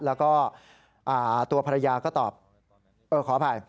แล้วก็ตัวภรรยาก็ตอบขออภัย